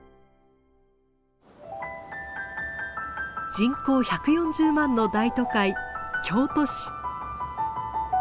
人口１４０万の大都会京都市。